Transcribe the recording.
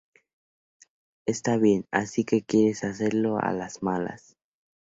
Está bien. Así que quieres hacerlo a las malas...